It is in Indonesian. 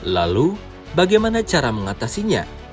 lalu bagaimana cara mengatasinya